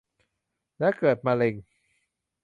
และเกิดมะเร็ง